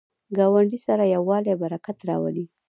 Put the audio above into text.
ګاونډي سره یووالی، برکت راولي